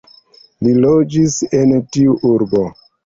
Li loĝis en tiu urbo.